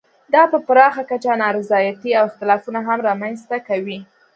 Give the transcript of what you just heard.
دا په پراخه کچه نا رضایتۍ او اختلافونه هم رامنځته کوي.